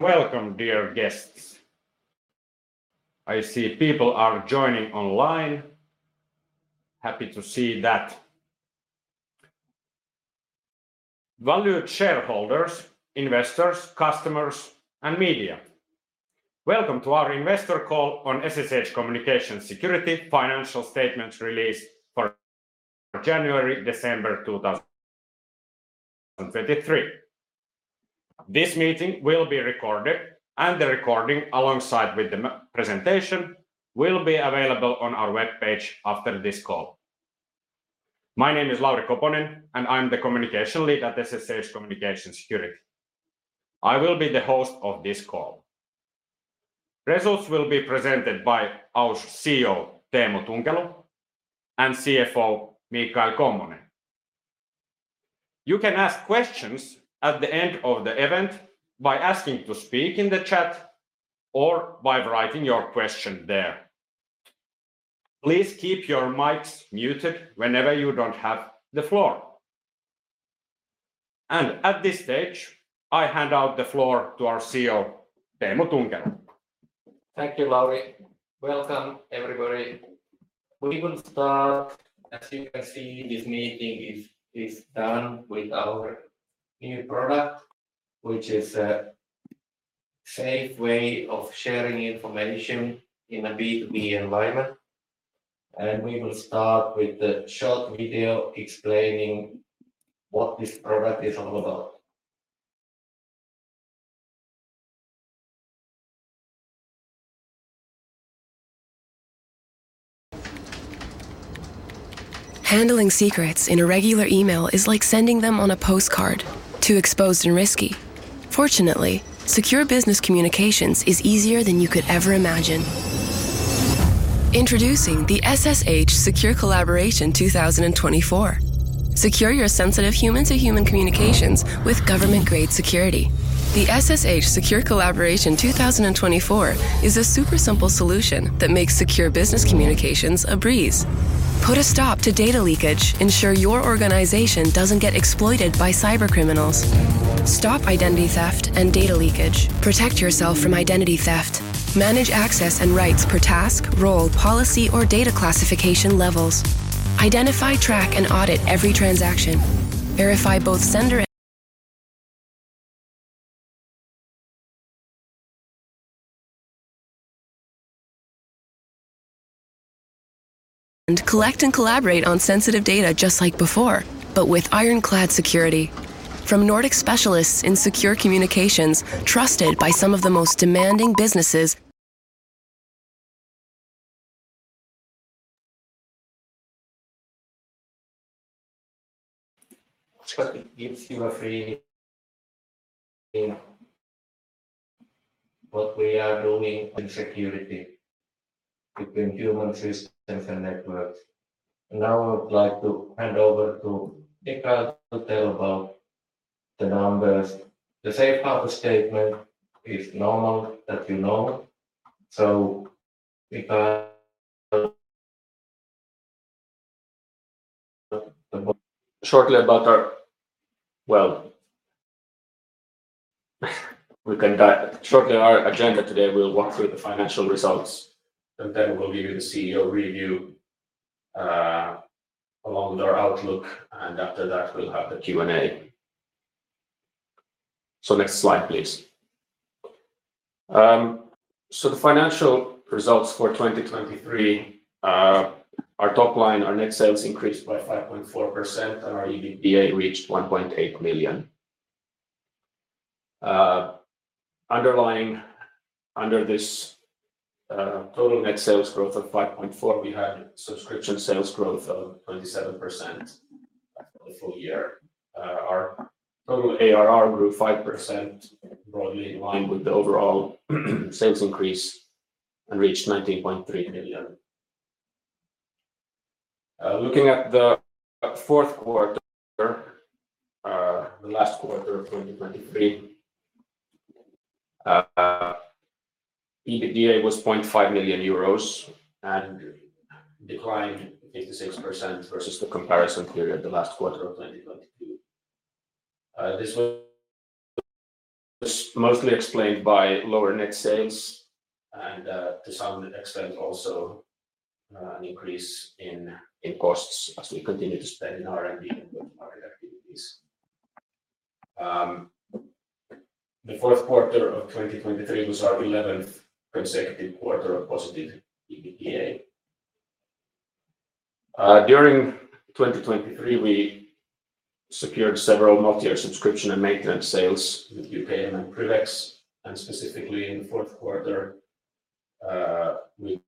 Welcome, dear guests. I see people are joining online. Happy to see that. Valued shareholders, investors, customers, and media, welcome to our investor call on SSH Communications Security financial statements released for January-December 2023. This meeting will be recorded, and the recording, alongside the presentation, will be available on our webpage after this call. My name is Lauri Koponen, and I'm the Communication Lead at SSH Communications Security. I will be the host of this call. Results will be presented by our CEO, Teemu Tunkelo, and CFO, Michael Kommonen. You can ask questions at the end of the event by asking to speak in the chat or by writing your question there. Please keep your mics muted whenever you don't have the floor. At this stage, I hand out the floor to our CEO, Teemu Tunkelo. Thank you, Lauri. Welcome, everybody. We will start. As you can see, this meeting is done with our new product, which is a safe way of sharing information in a B2B environment. We will start with a short video explaining what this product is all about. Handling secrets in a regular email is like sending them on a postcard, too exposed and risky. Fortunately, secure business communications is easier than you could ever imagine. Introducing the SSH Secure Collaboration 2024. Secure your sensitive human-to-human communications with government-grade security. The SSH Secure Collaboration 2024 is a super simple solution that makes secure business communications a breeze. Put a stop to data leakage. Ensure your organization doesn't get exploited by cyber criminals. Stop identity theft and data leakage. Protect yourself from identity theft. Manage access and rights per task, role, policy, or data classification levels. Identify, track, and audit every transaction. Verify both sender and. Collect and collaborate on sensitive data just like before, but with ironclad security. From Nordic specialists in secure communications, trusted by some of the most demanding businesses. It gives you a free, you know, what we are doing in security between human systems and networks. Now I would like to hand over to Michael to tell about the numbers. The safe harbor statement is normal, as you know. So Michael? Shortly, our agenda today, we'll walk through the financial results, and then we'll give you the CEO review, along with our outlook, and after that, we'll have the Q&A. So next slide, please. So the financial results for 2023, our top line, our net sales increased by 5.4%, and our EBITDA reached 1.8 million. Underlying, under this, total net sales growth of 5.4%, we had subscription sales growth of 27% for the full year. Our total ARR grew 5%, broadly in line with the overall sales increase, and reached 19.3 million. Looking at the fourth quarter, the last quarter of 2023, EBITDA was 0.5 million euros and declined 56% versus the comparison period, the last quarter of 2022. This was mostly explained by lower net sales and, to some extent, also, an increase in costs as we continue to spend in R&D and market activities. The fourth quarter of 2023 was our 11th consecutive quarter of positive EBITDA. During 2023, we secured several multi-year subscription and maintenance sales with UPM and PrivX, and specifically in the fourth quarter, we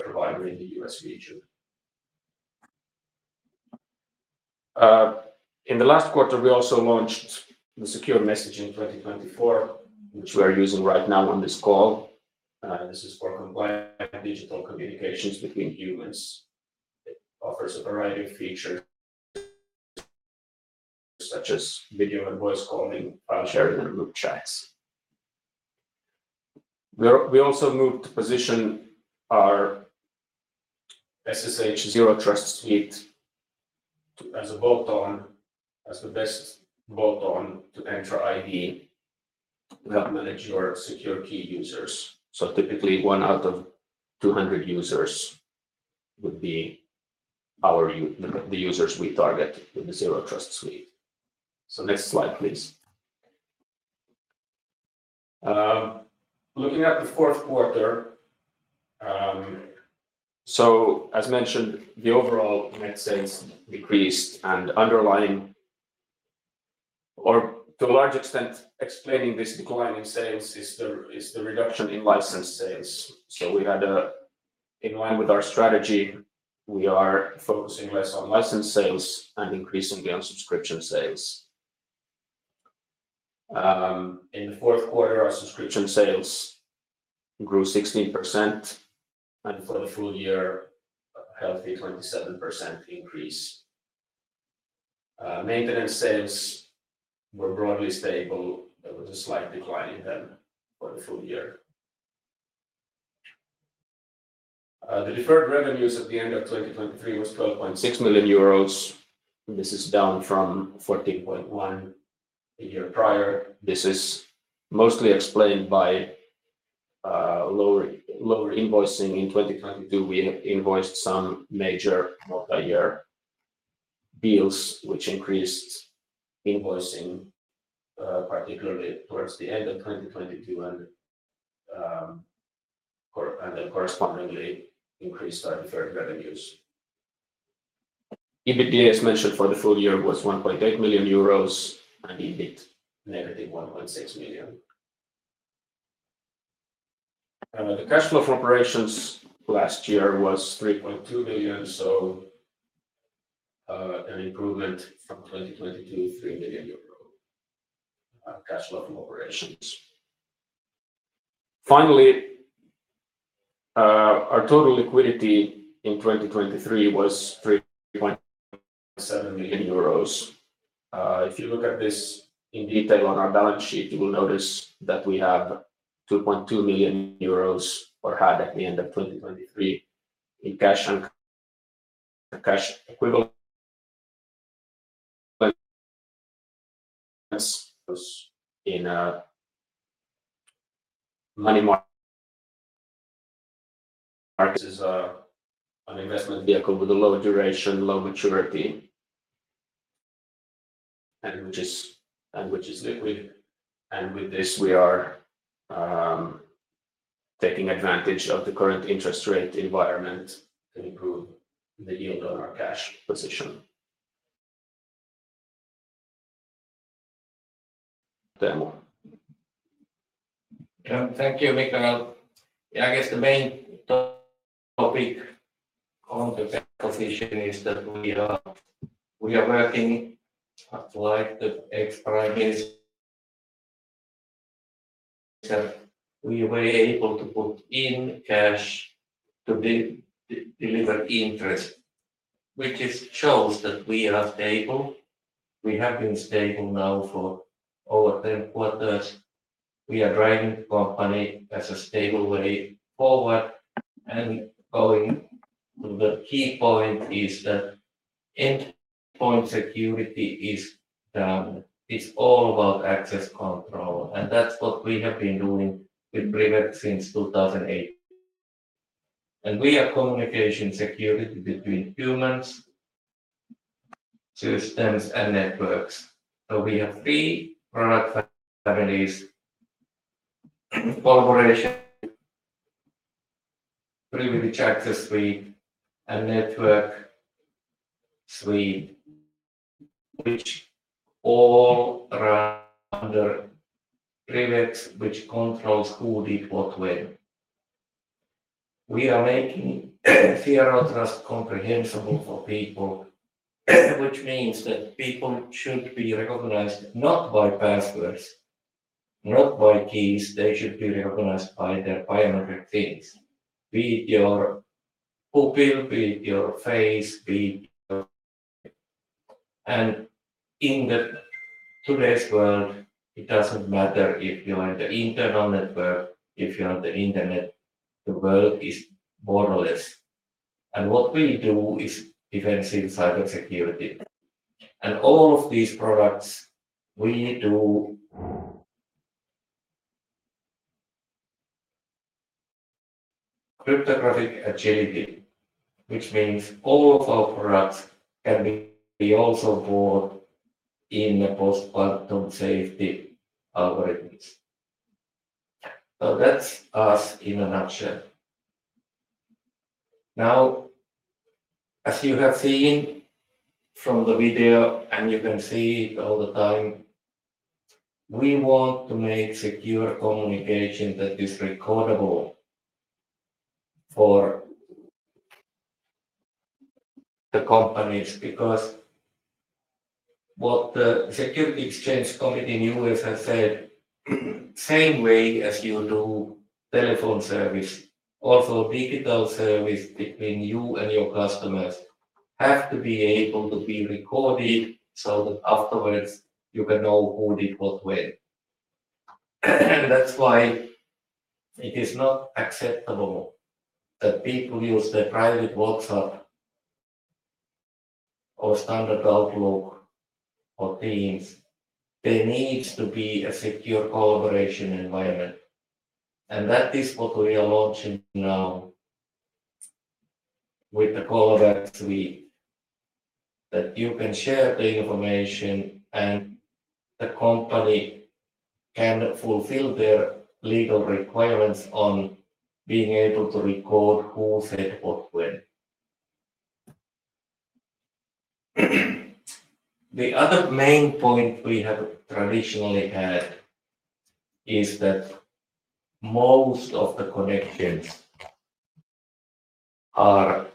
provider in the U.S. region. In the last quarter, we also launched the Secure Messaging 2024, which we are using right now on this call. This is for compliant digital communications between humans. It offers a variety of features, such as video and voice calling, file sharing, and group chats. We also moved to position our SSH Zero Trust Suite as a bolt-on, as the best bolt-on to Entra ID to help manage your secure key users. So typically, one out of 200 users would be our the users we target with the Zero Trust Suite. So next slide, please. Looking at the fourth quarter, so as mentioned, the overall net sales decreased and underlying or to a large extent, explaining this decline in sales is the reduction in license sales. So we had in line with our strategy, we are focusing less on license sales and increasingly on subscription sales. In the fourth quarter, our subscription sales grew 16%, and for the full year, a healthy 27% increase. Maintenance sales were broadly stable. There was a slight decline in them for the full year. The deferred revenues at the end of 2023 was 12.6 million euros. This is down from 14.1 million a year prior. This is mostly explained by lower invoicing. In 2022, we have invoiced some major multi-year bills, which increased invoicing, particularly towards the end of 2022, and then correspondingly increased our deferred revenues. EBITDA, as mentioned, for the full year, was 1.8 million euros, and EBIT, -1.6 million. The cash flow from operations last year was 3.2 million, so an improvement from 2022, 3 million euro cash flow from operations. Finally, our total liquidity in 2023 was 3.7 million euros. If you look at this in detail on our balance sheet, you will notice that we have 2.2 million euros, or had at the end of 2023, in cash and cash equivalent. But this was in a money market is, an investment vehicle with a low duration, low maturity, and which is, and which is liquid. And with this, we are taking advantage of the current interest rate environment to improve the yield on our cash position. Teemu? Yeah, thank you, Michael. Yeah, I guess the main topic on the position is that we are working like the extra against. We were able to put in cash to build and deliver interest, which shows that we are stable. We have been stable now for over 10 quarters. We are driving the company in a stable way forward, and the key point is that endpoint security is all about access control, and that's what we have been doing with PrivX since 2008. And we are communication security between humans, systems, and networks. So we have three product families: collaboration, Privileged Access Suite, and Network Suite, which all run under PrivX, which controls who did what where. We are making Zero Trust comprehensible for people, which means that people should be recognized not by passwords, not by keys. They should be recognized by their biometric things, be it your pupil, be it your face, be it. In today's world, it doesn't matter if you're on the internal network, if you're on the internet, the world is borderless. What we do is defensive cybersecurity. All of these products, we do cryptographic agility, which means all of our products can be also bought in a post-quantum safety algorithms. So that's us in a nutshell. Now, as you have seen from the video, and you can see it all the time, we want to make secure communication that is recordable for the companies, because what the Securities and Exchange Commission in the U.S. has said, same way as you do telephone service, also digital service between you and your customers have to be able to be recorded so that afterwards you can know who did what, when. That's why it is not acceptable that people use their private WhatsApp or standard Outlook or Teams. There needs to be a secure collaboration environment, and that is what we are launching now with the CollabX Suite, that you can share the information, and the company can fulfill their legal requirements on being able to record who said what when. The other main point we have traditionally had is that most of the connections are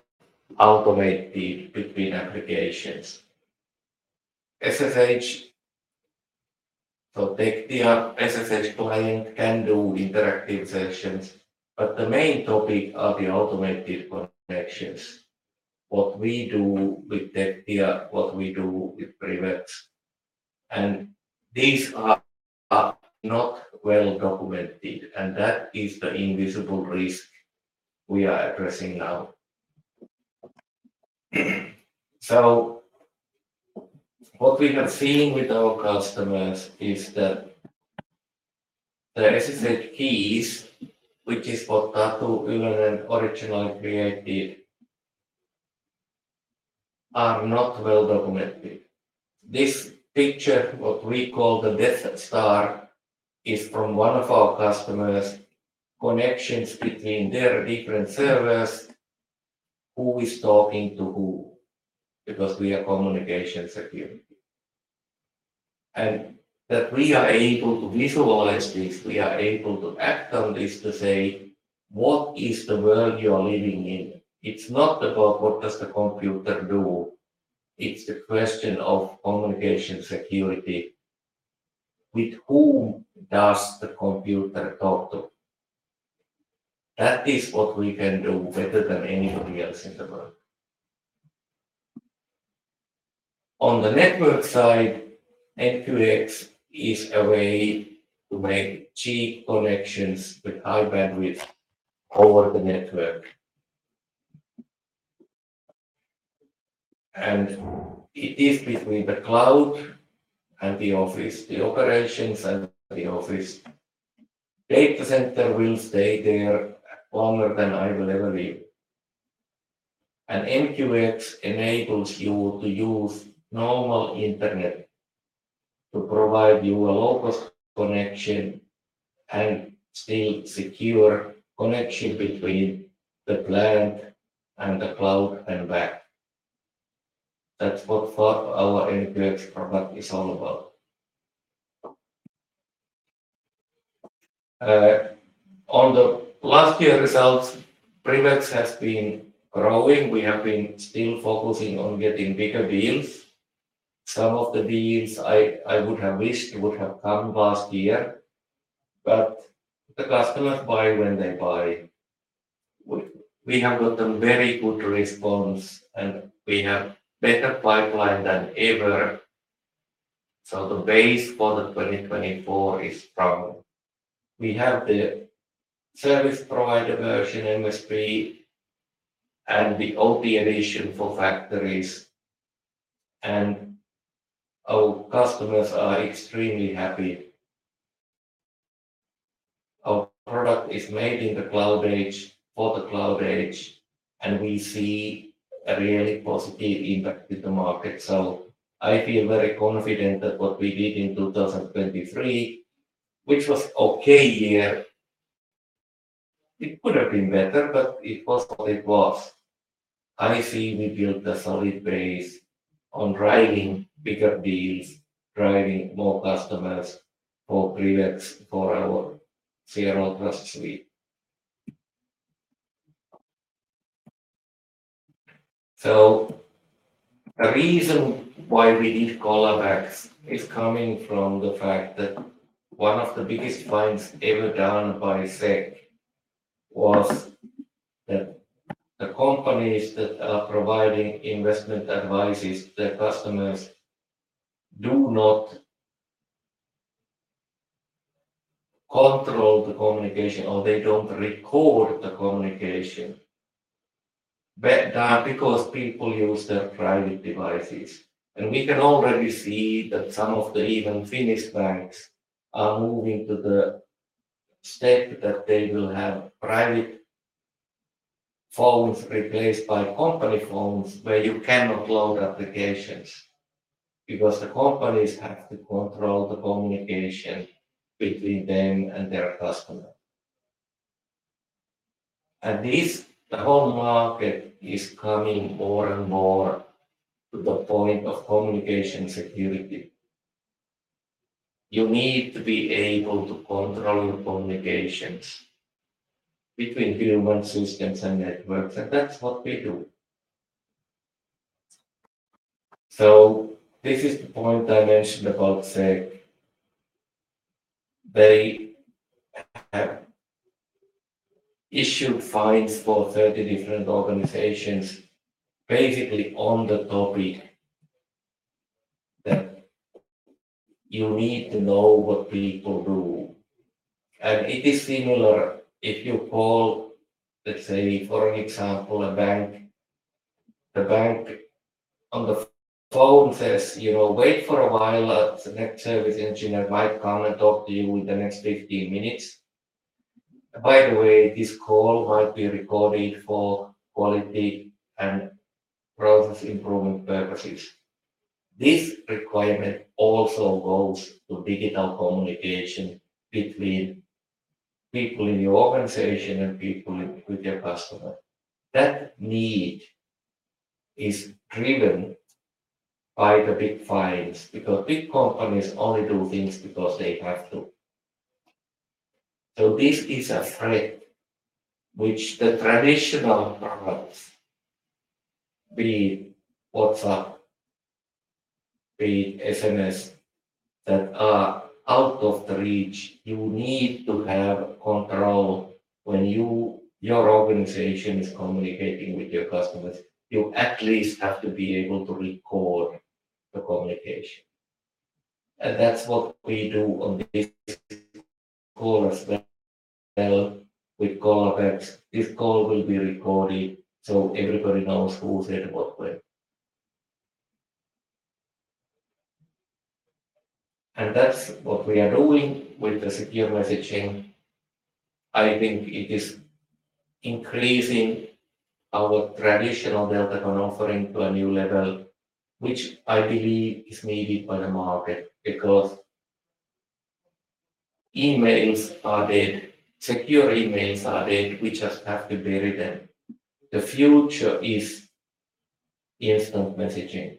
automated between applications. SSH, so Tectia SSH client can do interactive sessions, but the main topic are the automated connections. What we do with Tectia, what we do with PrivX, and these are, are not well documented, and that is the invisible risk we are addressing now. So what we have seen with our customers is that the SSH keys, which is what Tatu Ylönen originally created, are not well documented. This picture, what we call the Death Star, is from one of our customers' connections between their different servers, who is talking to who, because we are communication security. That we are able to visualize this, we are able to act on this to say, "What is the world you are living in?" It's not about what does the computer do, it's a question of communication security. With whom does the computer talk to? That is what we can do better than anybody else in the world. On the network side, NQX is a way to make cheap connections with high bandwidth over the network. It is between the cloud and the office, the operations and the office. Data center will stay there longer than I will ever live, and NQX enables you to use normal internet to provide you a low-cost connection and still secure connection between the plant and the cloud and back. That's what for our NQX product is all about. On the last year results, PrivX has been growing. We have been still focusing on getting bigger deals. Some of the deals I would have wished would have come last year, but the customers buy when they buy. We have gotten very good response, and we have better pipeline than ever, so the base for the 2024 is strong. We have the service provider version, MSP, and the OT edition for factories, and our customers are extremely happy. Our product is made in the cloud age for the cloud age, and we see a really positive impact with the market. So I feel very confident that what we did in 2023, which was okay year, it could have been better, but it was what it was. I see we built a solid base on driving bigger deals, driving more customers for PrivX, for our CollabX Suite. So the reason why we need CollabX is coming from the fact that one of the biggest fines ever done by SEC was that the companies that are providing investment advices to their customers do not control the communication, or they don't record the communication, but because people use their private devices. And we can already see that some of the even Finnish banks are moving to the state that they will have private phones replaced by company phones, where you cannot load applications, because the companies have to control the communication between them and their customer. And this, the whole market, is coming more and more to the point of communication security. You need to be able to control your communications between human systems and networks, and that's what we do. So this is the point I mentioned about SEC. They have issued fines for 30 different organizations, basically on the topic that you need to know what people do. And it is similar if you call, let's say, for an example, a bank. The bank on the phone says, "You know, wait for a while, the next service engineer might come and talk to you in the next 15 minutes. By the way, this call might be recorded for quality and process improvement purposes." This requirement also goes to digital communication between people in your organization and people with your customer. That need is driven by the big fines, because big companies only do things because they have to. So this is a threat, which the traditional products, be it WhatsApp, be it SMS, that are out of the reach. You need to have control when you, your organization is communicating with your customers. You at least have to be able to record the communication. And that's what we do on these calls, we call that, "This call will be recorded," so everybody knows who's there to work with. And that's what we are doing with the secure messaging. I think it is increasing our traditional Deltagon offering to a new level, which I believe is needed by the market because emails are dead. Secure emails are dead. We just have to bury them. The future is instant messaging.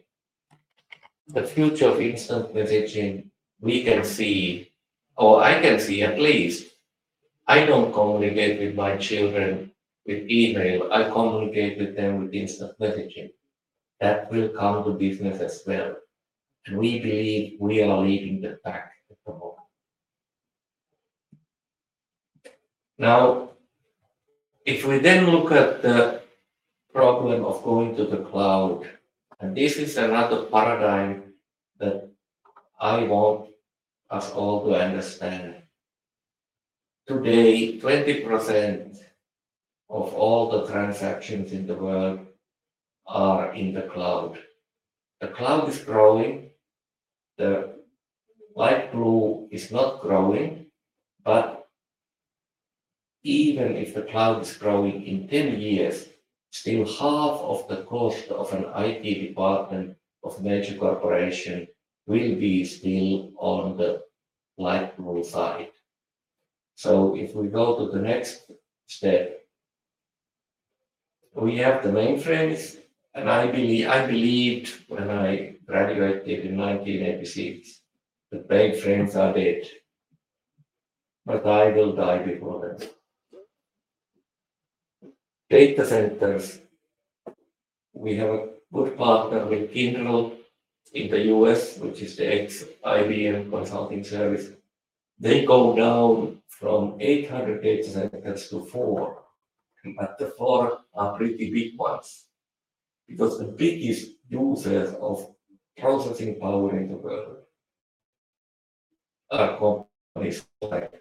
The future of instant messaging, we can see, or I can see at least, I don't communicate with my children with email. I communicate with them with instant messaging. That will come to business as well, and we believe we are leading the pack at the moment. Now, if we then look at the problem of going to the cloud, and this is another paradigm that I want us all to understand. Today, 20% of all the transactions in the world are in the cloud. The cloud is growing. The light blue is not growing, but even if the cloud is growing, in 10 years, still half of the cost of an IT department of major corporation will be still on the light blue side. If we go to the next step, we have the mainframes, and I believed when I graduated in 1986, the mainframes are dead, but I will die before that. Data centers, we have a good partner with Kyndryl in the U.S., which is the ex-IBM consulting service. They go down from 800 data centers to four, but the four are pretty big ones, because the biggest users of processing power in the world are companies like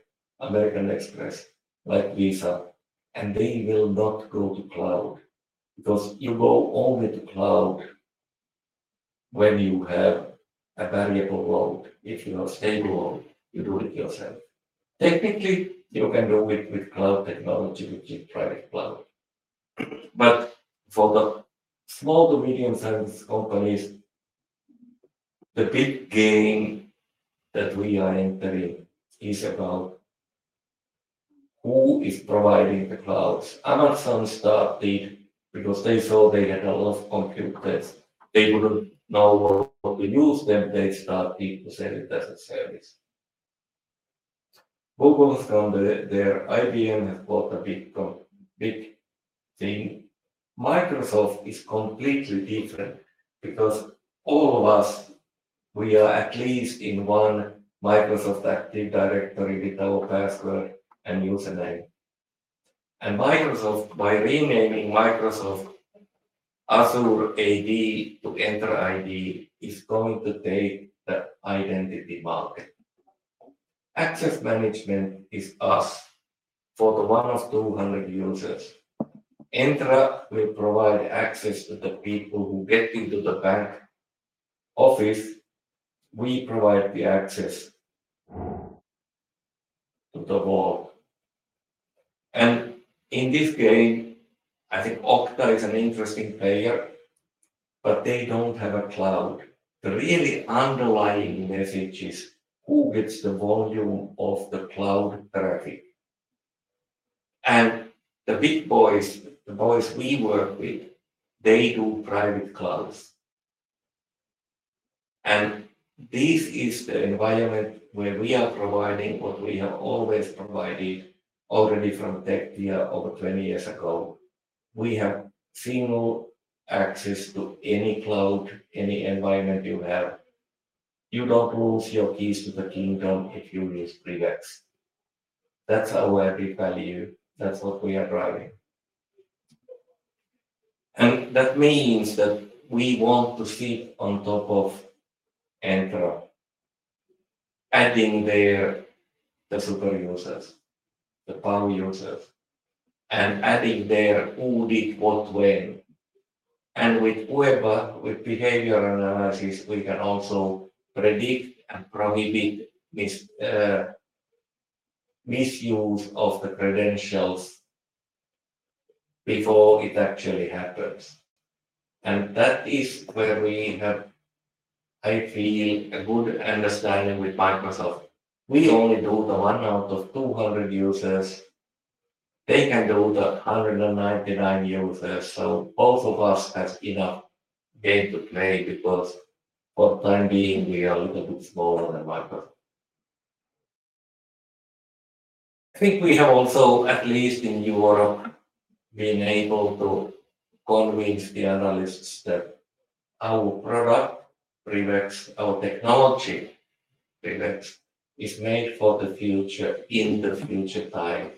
American Express, like Visa, and they will not go to cloud, because you go only to cloud when you have a variable load. If you have stable load, you do it yourself. Technically, you can do it with cloud technology, with your private cloud. But for the small to medium-sized companies, the big game that we are entering is about who is providing the clouds. Amazon started because they saw they had a lot of compute clouds. They wouldn't know what to use them, they started to sell it as a service. Google has gone there. IBM has bought a big thing. Microsoft is completely different because all of us, we are at least in one Microsoft Active Directory with our password and username. And Microsoft, by renaming Microsoft Azure AD to Entra ID, is going to take the identity market. Access management is us for the 100 or 200 users. Entra will provide access to the people who get into the bank office. We provide the access to the world. And in this game, I think Okta is an interesting player, but they don't have a cloud. The really underlying message is, who gets the volume of the cloud traffic? And the big boys, the boys we work with, they do private clouds. And this is the environment where we are providing what we have always provided already from Tectia over 20 years ago.... We have single access to any cloud, any environment you have. You don't lose your keys to the kingdom if you use PrivX. That's our big value. That's what we are driving. And that means that we want to sit on top of Entra, adding there the super users, the power users, and adding there who did what, when. And with UBA, with behavior analysis, we can also predict and prohibit misuse of the credentials before it actually happens. And that is where we have, I feel, a good understanding with Microsoft. We only do the one out of 200 users. They can do the 199 users, so both of us has enough game to play because for the time being, we are a little bit smaller than Microsoft. I think we have also, at least in Europe, been able to convince the analysts that our product, PrivX, our technology, PrivX, is made for the future, in the future time.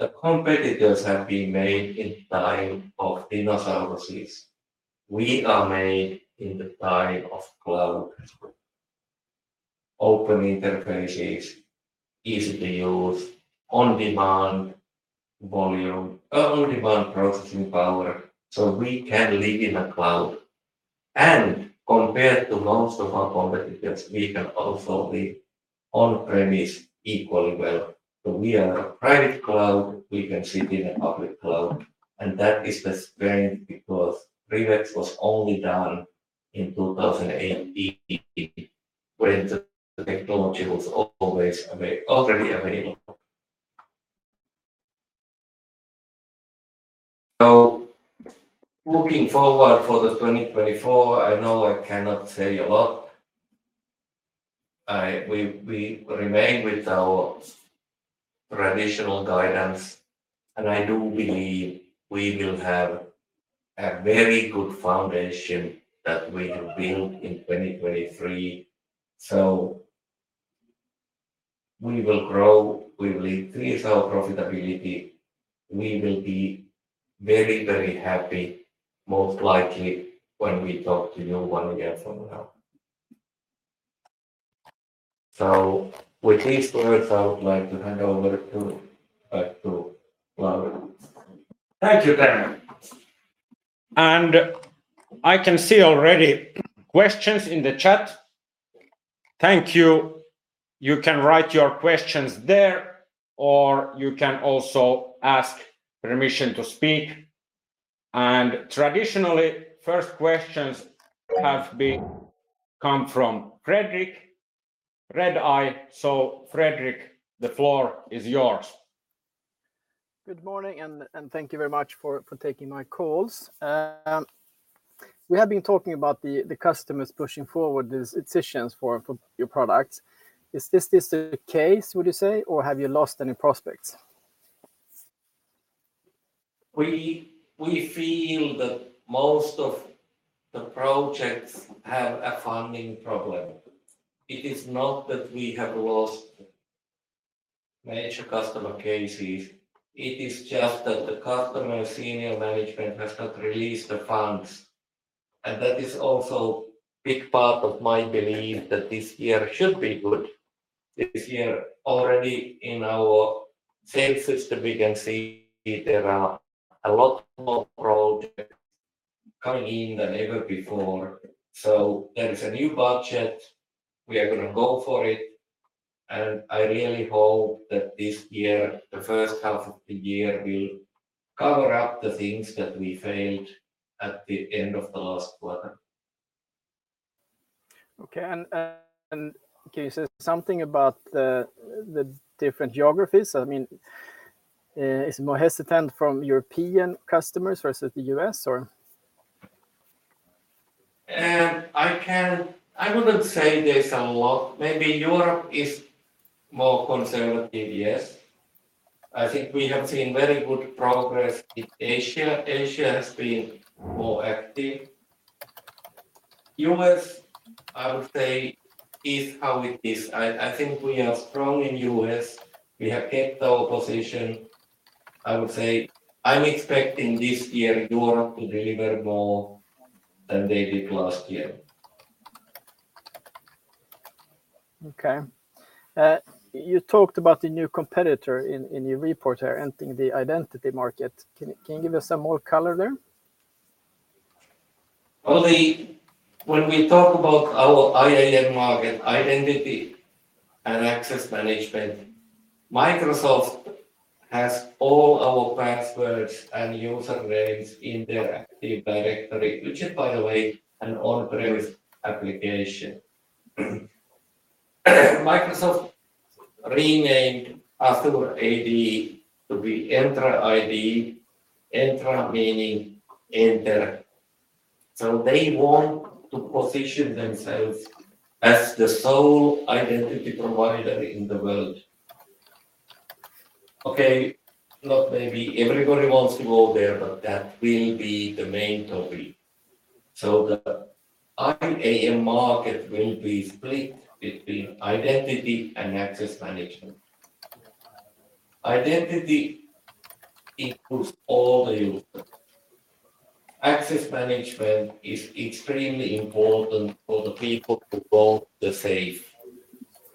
The competitors have been made in time of dinosaurs. We are made in the time of cloud. Open interfaces, easy to use, on-demand volume, on-demand processing power, so we can live in a cloud. Compared to most of our competitors, we can also live on-premise equally well. We are a private cloud, we can sit in a public cloud, and that is the strength, because PrivX was only done in 2018, when the technology was already available. So looking forward for the 2024, I know I cannot say a lot. We remain with our traditional guidance, and I do believe we will have a very good foundation that we have built in 2023. So we will grow. We will increase our profitability. We will be very, very happy, most likely, when we talk to you once again somehow. So with these words, I would like to hand over to, back to Lauri. Thank you, Teemu. I can see already questions in the chat. Thank you. You can write your questions there, or you can also ask permission to speak. Traditionally, first questions have come from Fredrik Redeye. So Fredrik, the floor is yours. Good morning, and thank you very much for taking my calls. We have been talking about the customers pushing forward these decisions for your product. Is this the case, would you say, or have you lost any prospects? We, we feel that most of the projects have a funding problem. It is not that we have lost major customer cases, it is just that the customer senior management has not released the funds. And that is also big part of my belief that this year should be good. This year, already in our sales system, we can see there are a lot more projects coming in than ever before. So there is a new budget. We are gonna go for it, and I really hope that this year, the first half of the year, will cover up the things that we failed at the end of the last quarter. Okay, and can you say something about the different geographies? I mean, it's more hesitant from European customers versus the U.S., or? I wouldn't say there's a lot. Maybe Europe is more conservative, yes. I think we have seen very good progress in Asia. Asia has been more active. U.S., I would say, is how it is. I think we are strong in U.S. We have kept our position. I would say I'm expecting this year Europe to deliver more than they did last year. Okay. You talked about the new competitor in your report here, entering the identity market. Can you give us some more color there? Only when we talk about our IAM market, identity and access management, Microsoft has all our passwords and usernames in their Active Directory, which is, by the way, an on-premises application. Microsoft renamed Azure AD to be Entra ID, Entra meaning enter. So they want to position themselves as the sole identity provider in the world. Okay, not maybe everybody wants to go there, but that will be the main topic. So the IAM market will be split between identity and access management. Identity includes all the users. Access management is extremely important for the people to go the safe.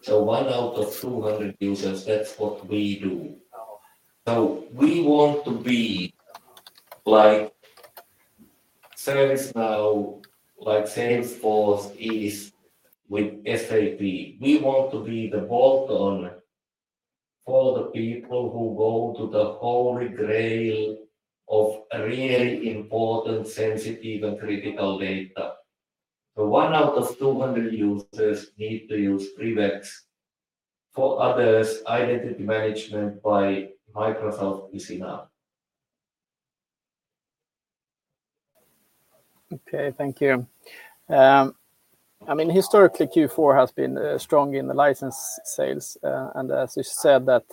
So 1 out of 200 users, that's what we do. So we want to be like ServiceNow, like Salesforce is with SAP. We want to be the vault owner for the people who go to the holy grail of really important, sensitive, and critical data. One out of 200 users need to use PrivX. For others, identity management by Microsoft is enough. Okay, thank you. I mean, historically, Q4 has been strong in the license sales, and as you said, that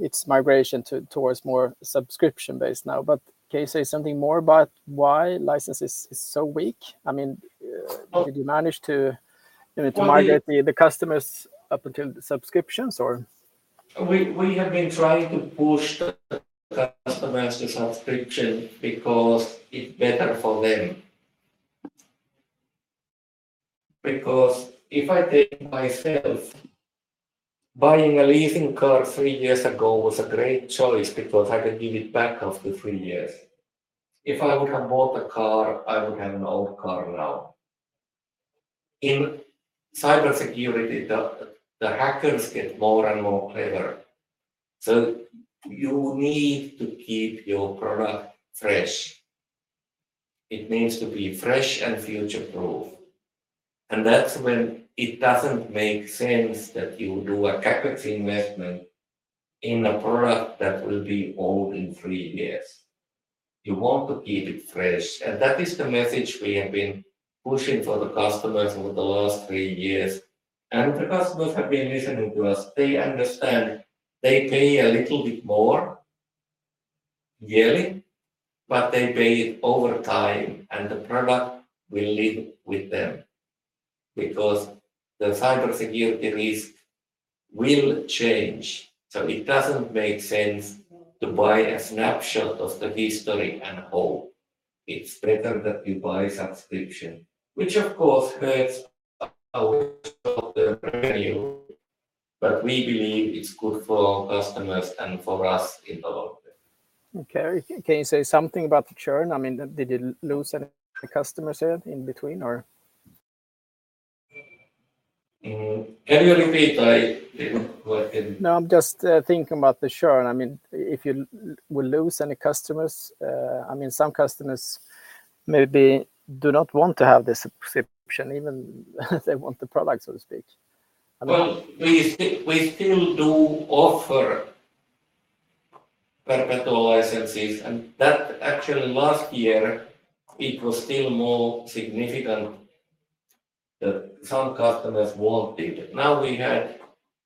it's migration towards more subscription-based now. But can you say something more about why license is so weak? I mean, Well- Did you manage to, you know, to migrate- Well, we- The customers up until the subscriptions, or? We have been trying to push the customers to subscription because it's better for them. Because if I take myself, buying a leasing car three years ago was a great choice because I can give it back after three years. If I would have bought a car, I would have an old car now. In cybersecurity, the hackers get more and more clever, so you need to keep your product fresh. It needs to be fresh and future-proof, and that's when it doesn't make sense that you do a capacity investment in a product that will be old in three years. You want to keep it fresh, and that is the message we have been pushing for the customers over the last three years. And the customers have been listening to us. They understand. They pay a little bit more yearly, but they pay it over time, and the product will live with them. Because the cybersecurity risk will change, so it doesn't make sense to buy a snapshot of the history and hope. It's better that you buy subscription, which of course, hurts our revenue, but we believe it's good for customers and for us in the long run. Okay. Can you say something about the churn? I mean, did you lose any customers there in between, or? Can you repeat? I didn't quite hear you. No, I'm just thinking about the churn. I mean, if you will lose any customers. I mean, some customers maybe do not want to have the subscription, even if they want the product, so to speak. I mean- Well, we still, we still do offer perpetual licenses, and that actually last year, it was still more significant that some customers wanted it. Now, we had.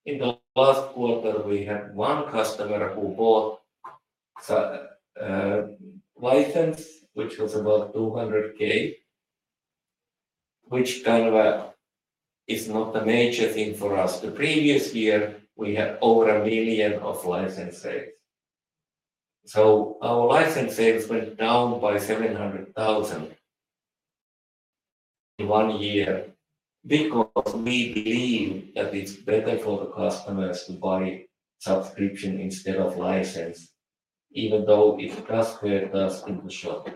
In the last quarter, we had one customer who bought a license, which was about 200,000, which kind of is not a major thing for us. The previous year, we had over 1 million of license sales. So our license sales went down by 700,000 in one year because we believe that it's better for the customers to buy subscription instead of license, even though it hurts us in the short term.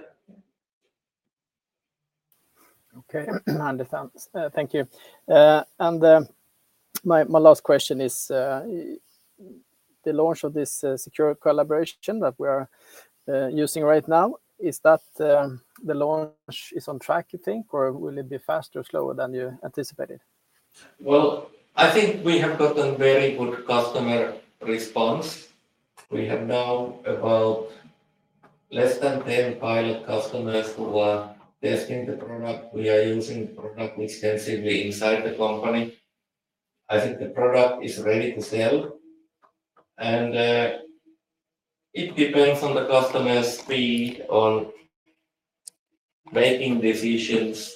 Okay. Understand. Thank you. And, my last question is, the launch of this secure collaboration that we are using right now, is that the launch is on track, you think, or will it be faster or slower than you anticipated? Well, I think we have gotten very good customer response. We have now about less than 10 pilot customers who are testing the product. We are using the product extensively inside the company. I think the product is ready to sell, and it depends on the customer's speed on making decisions,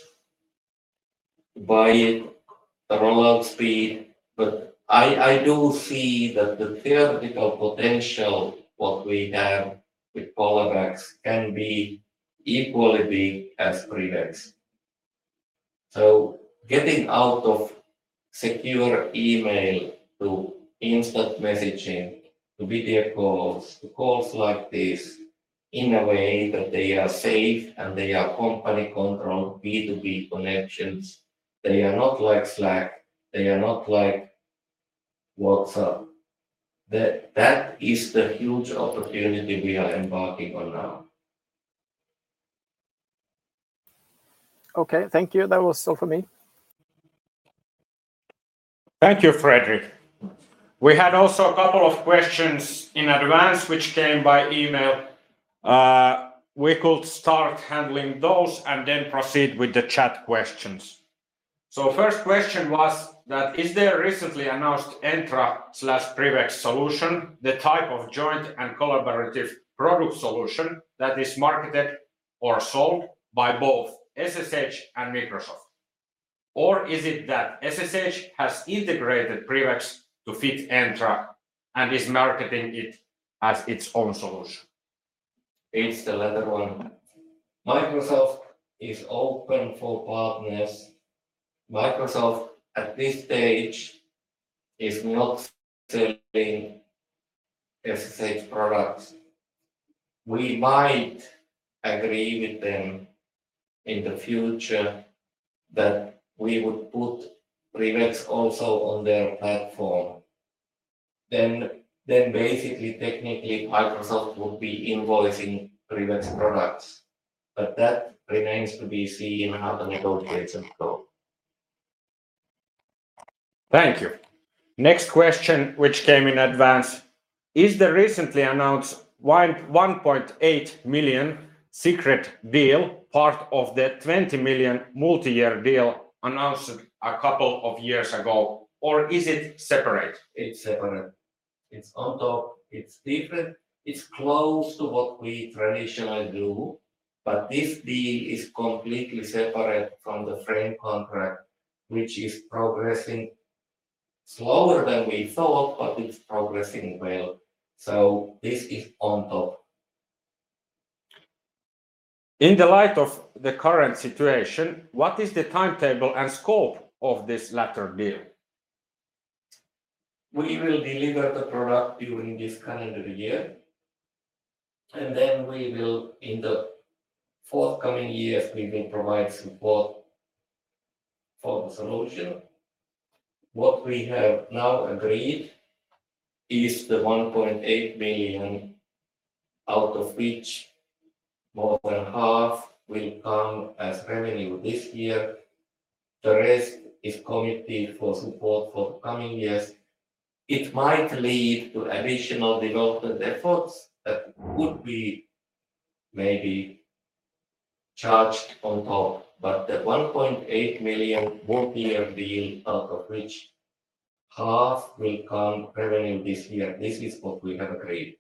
buying, the rollout speed. But I do see that the theoretical potential, what we have with CollabX, can be equally big as PrivX. So getting out of secure email to instant messaging, to video calls, to calls like this, in a way that they are safe and they are company-controlled B2B connections. They are not like Slack, they are not like WhatsApp. That is the huge opportunity we are embarking on now. Okay. Thank you. That was all for me. Thank you, Fredrik. We had also a couple of questions in advance, which came by email. We could start handling those and then proceed with the chat questions. So first question was that: Is there recently announced Entra/PrivX solution, the type of joint and collaborative product solution that is marketed or sold by both SSH and Microsoft, or is it that SSH has integrated PrivX to fit Entra and is marketing it as its own solution? It's the latter one. Microsoft is open for partners. Microsoft, at this stage, is not selling SSH products. We might agree with them in the future that we would put PrivX also on their platform. Then, basically, technically, Microsoft would be invoicing PrivX products, but that remains to be seen how the negotiations go. Thank you. Next question, which came in advance: Is the recently announced 1.8 million secret deal part of the 20 million multi-year deal announced a couple of years ago, or is it separate? It's separate. It's on top, it's different. It's close to what we traditionally do, but this deal is completely separate from the frame contract, which is progressing slower than we thought, but it's progressing well. So this is on top. In the light of the current situation, what is the timetable and scope of this latter deal? We will deliver the product during this calendar year, and then we will, in the forthcoming years, we will provide support for the solution. What we have now agreed is the 1.8 million, out of which more than half will come as revenue this year. The rest is committed for support for coming years. It might lead to additional development efforts that would be maybe charged on top, but the 1.8 million won't be a deal out of which half will come revenue this year. This is what we have agreed.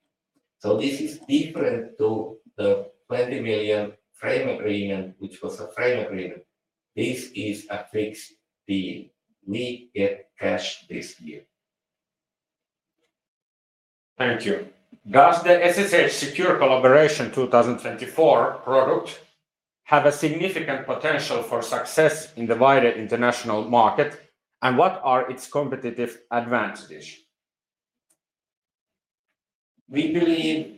So this is different to the 20 million frame agreement, which was a frame agreement. This is a fixed deal. We get cash this year. Thank you. Does the SSH Secure Collaboration 2024 product have a significant potential for success in the wider international market, and what are its competitive advantages? We believe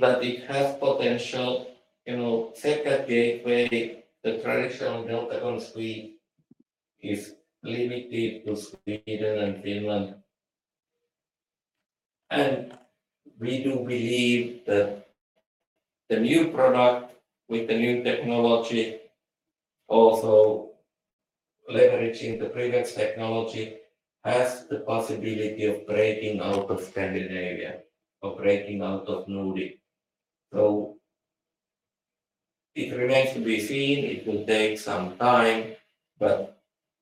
that it has potential. You know, take a gateway, the traditional Deltagon suite is limited to Sweden and Finland. And we do believe that the new product with the new technology, also leveraging the PrivX technology, has the possibility of breaking out of Scandinavia or breaking out of Nordic. So it remains to be seen. It will take some time, but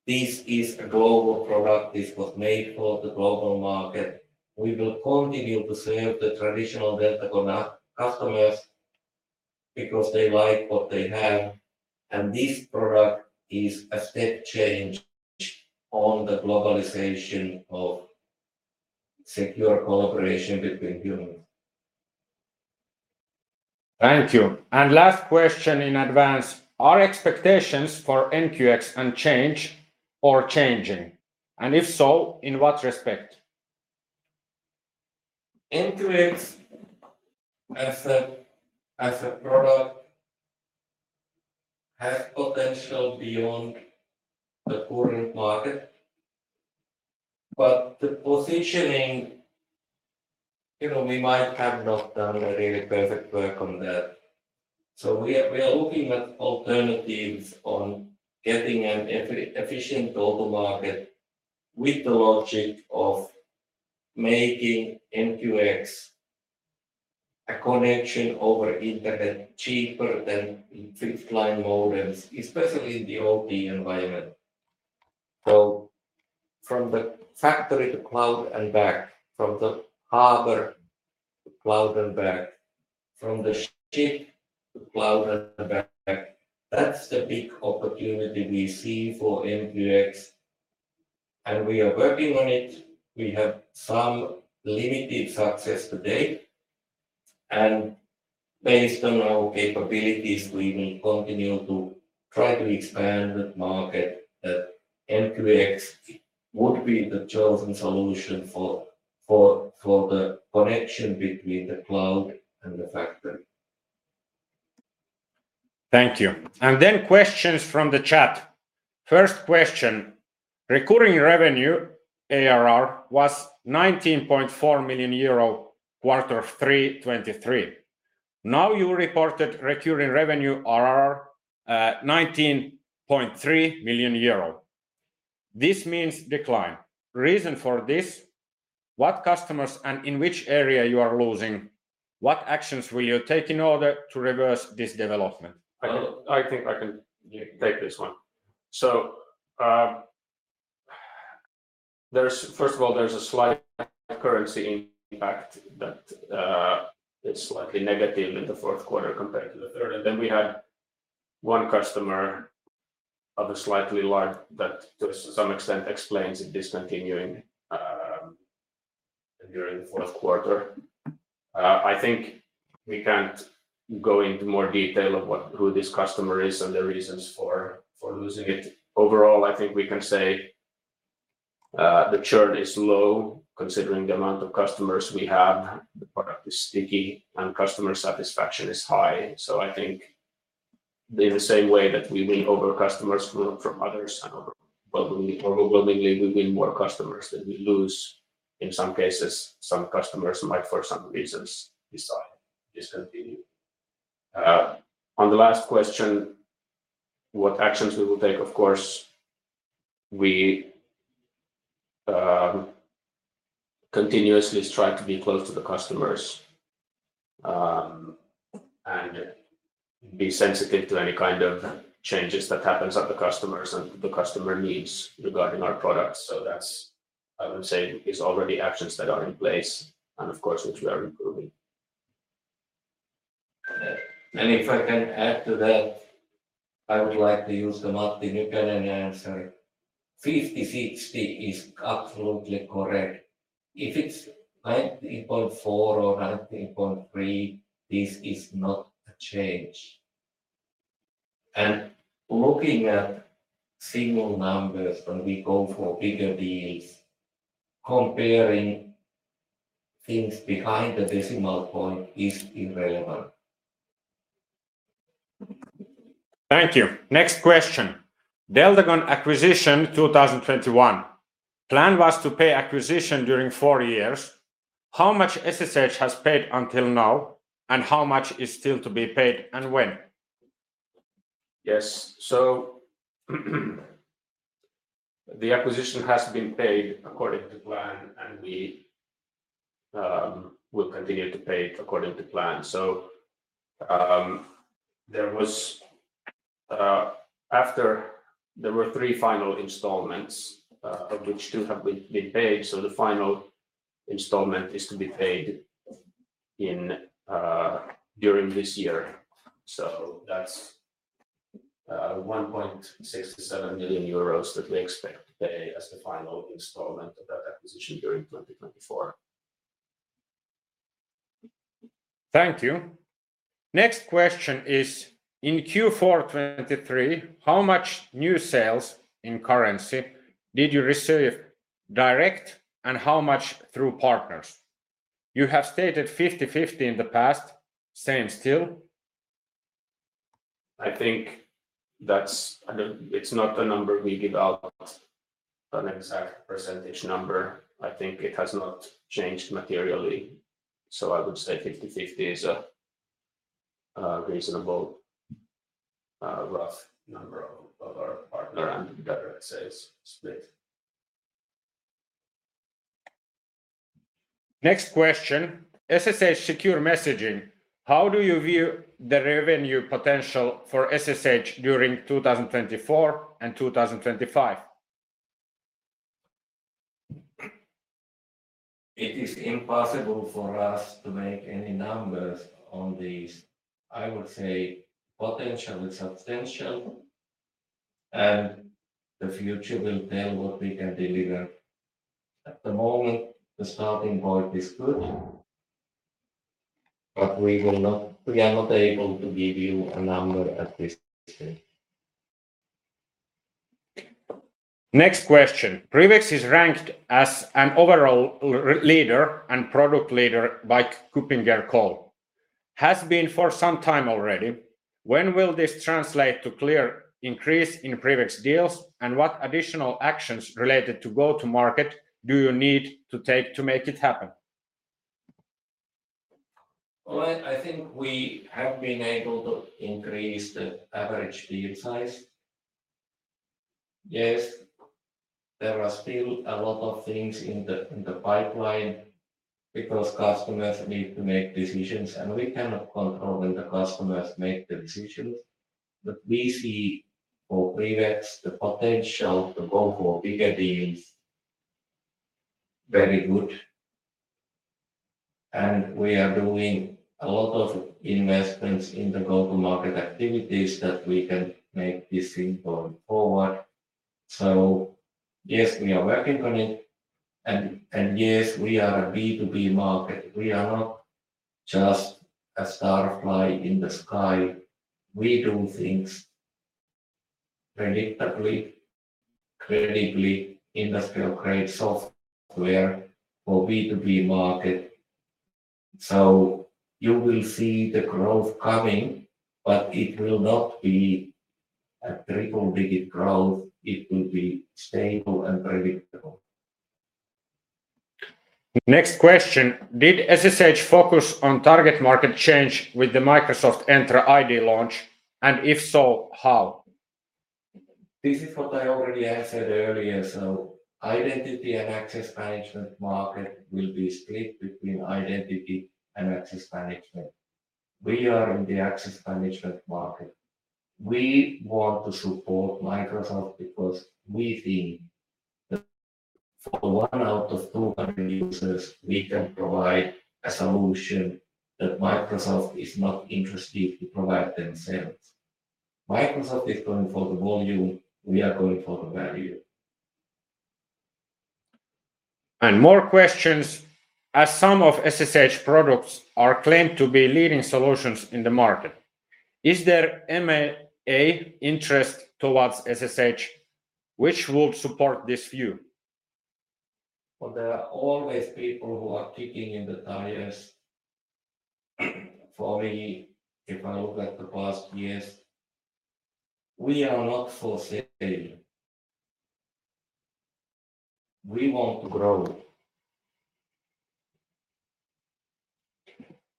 this is a global product. This was made for the global market. We will continue to serve the traditional Deltagon customers because they like what they have, and this product is a step change on the globalization of secure collaboration between humans. Thank you. Last question in advance: Are expectations for NQX unchanged or changing, and if so, in what respect? NQX, as a product, has potential beyond the current market, but the positioning, you know, we might have not done a really perfect work on that. So we are looking at alternatives on getting an efficient global market with the logic of making NQX a connection over internet cheaper than flying modems, especially in the OT environment. So from the factory to cloud and back, from the harbor to cloud and back, from the ship to cloud and back, that's the big opportunity we see for NQX, and we are working on it. We have some limited success to date, and based on our capabilities, we will continue to try to expand the market that NQX would be the chosen solution for the connection between the cloud and the factory. Thank you. And then questions from the chat. First question: Recurring revenue, ARR, was 19.4 million euro, quarter three 2023. Now you reported recurring revenue RR, 19.3 million euro. This means decline. Reason for this, what customers and in which area you are losing? What actions will you take in order to reverse this development? I think I can take this one. So, there's. First of all, there's a slight currency impact that it's slightly negative in the fourth quarter compared to the third. And then we had one customer of a slightly large that to some extent explains it, discontinuing during the fourth quarter. I think we can't go into more detail of who this customer is and the reasons for for losing it. Overall, I think we can say the churn is low considering the amount of customers we have. The product is sticky, and customer satisfaction is high. So I think in the same way that we win over customers from others, and overwhelmingly, overwhelmingly, we win more customers than we lose. In some cases, some customers might, for some reasons, decide, discontinue. On the last question, what actions we will take? Of course, we continuously strive to be close to the customers, and be sensitive to any kind of changes that happens at the customers and the customer needs regarding our products. So that's, I would say, is already actions that are in place and of course, which we are improving. And if I can add to that, I would like to use the Matti Nykänen answer. 50-60 is absolutely correct. If it's 90.4 or 90.3, this is not a change. And looking at single numbers, when we go for bigger deals, comparing things behind the decimal point is irrelevant. Thank you. Next question: Deltagon acquisition 2021. Plan was to pay acquisition during four years. How much SSH has paid until now, and how much is still to be paid, and when? Yes, so the acquisition has been paid according to plan, and we will continue to pay according to plan. So, there was, after there were three final installments, of which two have been paid, so the final installment is to be paid in, during this year. So that's 1.67 million euros that we expect to pay as the final installment of that acquisition during 2024. Thank you. Next question is: In Q4 2023, how much new sales in currency did you receive direct and how much through partners? You have stated 50/50 in the past. Same still? I think it's not a number we give out, an exact percentage number. I think it has not changed materially, so I would say 50/50 is a reasonable rough number of our partner and direct sales split. Next question: SSH Secure Messaging. How do you view the revenue potential for SSH during 2024 and 2025? It is impossible for us to make any numbers on these. I would say potential is substantial, and the future will tell what we can deliver. At the moment, the starting point is good, but we are not able to give you a number at this stage. Next question: PrivX is ranked as an overall leader and product leader by KuppingerCole. Has been for some time already. When will this translate to clear increase in PrivX deals, and what additional actions related to go-to-market do you need to take to make it happen? Well, I think we have been able to increase the average deal size. Yes, there are still a lot of things in the, in the pipeline because customers need to make decisions, and we cannot control when the customers make the decisions. But we see for PrivX, the potential to go for bigger deals, very good, and we are doing a lot of investments in the go-to-market activities that we can make this thing going forward. So yes, we are working on it, and, and yes, we are a B2B market. We are not just a starfly in the sky. We do things predictably, credibly, industrial-grade software for B2B market. So you will see the growth coming, but it will not be a triple-digit growth. It will be stable and predictable. Next question: Did SSH focus on target market change with the Microsoft Entra ID launch? And if so, how? This is what I already answered earlier. Identity and Access Management market will be split between Identity and Access Management. We are in the Access Management market. We want to support Microsoft because we think that for 1 out of 200 users, we can provide a solution that Microsoft is not interested to provide themselves. Microsoft is going for the volume, we are going for the value. More questions. As some of SSH products are claimed to be leading solutions in the market, is there M&A interest towards SSH which would support this view? Well, there are always people who are kicking in the tires. For me, if I look at the past years, we are not for sale. We want to grow.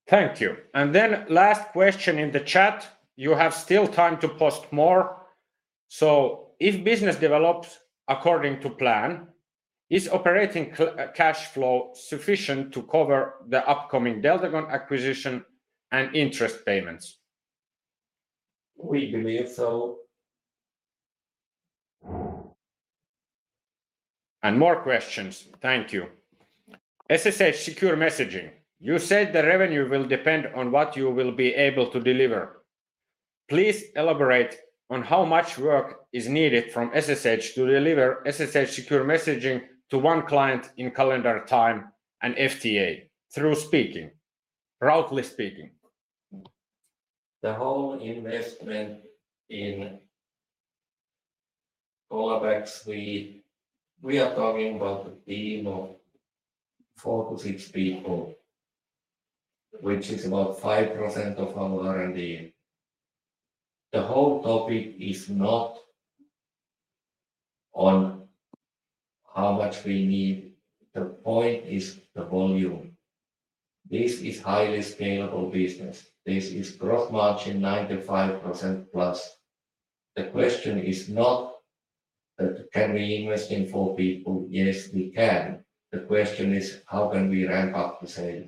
Thank you. And then last question in the chat, you have still time to post more. So if business develops according to plan, is operating cash flow sufficient to cover the upcoming Deltagon acquisition and interest payments? We believe so. More questions. Thank you. SSH Secure Messaging. You said the revenue will depend on what you will be able to deliver. Please elaborate on how much work is needed from SSH to deliver SSH Secure Messaging to one client in calendar time and FTA through speaking, proudly speaking. The whole investment in CollabX, we, we are talking about a team of 4-6 people, which is about 5% of our R&D. The whole topic is not on how much we need, the point is the volume. This is highly scalable business. This is gross margin 95%+. The question is not, can we invest in 4 people? Yes, we can. The question is: how can we ramp up the sale?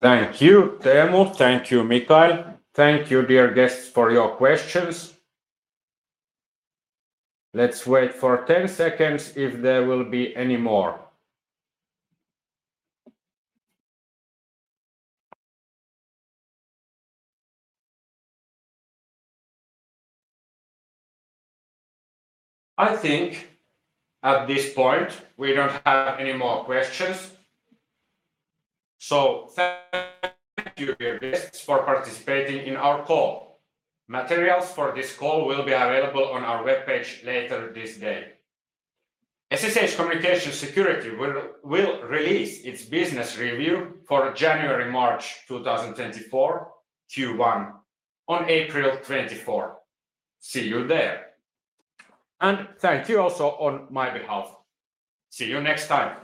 Thank you, Teemu. Thank you, Michael. Thank you, dear guests, for your questions. Let's wait for 10 seconds if there will be any more. I think at this point, we don't have any more questions, so thank you, dear guests, for participating in our call. Materials for this call will be available on our webpage later this day. SSH Communications Security will release its business review for January-March 2024, Q1, on April 24. See you there. And thank you also on my behalf. See you next time.